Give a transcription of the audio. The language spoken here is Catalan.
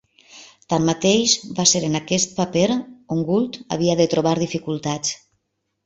Tanmateix, va ser en aquest paper on Gould havia de trobar dificultats.